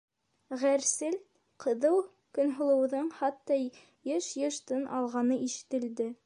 - Ғәрсел, ҡыҙыу Көнһылыуҙың хатта йыш-йыш тын алғаны ишетелде.